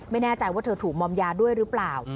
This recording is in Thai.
ไม่แน่ใจว่าเธอถูกมอมยาด้วยหรือเปล่า